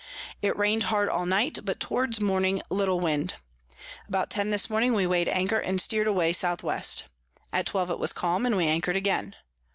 It rain'd hard all night, but towards morning little Wind. About ten this morning we weigh'd Anchor, and steer'd away S W. At twelve it was calm, and we anchor'd again.